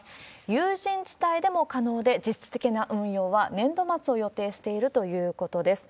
有人地帯でも可能で、実質的な運用は年度末を予定しているということです。